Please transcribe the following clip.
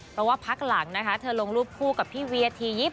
เพราะว่าพักหลังนะคะเธอลงรูปคู่กับพี่เวียทียิป